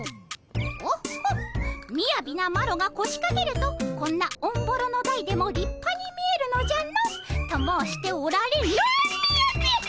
「オッホッみやびなマロがこしかけるとこんなオンボロの台でも立派に見えるのじゃの」と申しておられノーみやびっ！